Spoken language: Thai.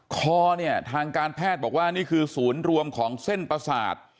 คอเนี่ยทางการแพทย์บอกว่านี่คือศูนย์รวมของเส้นประสาท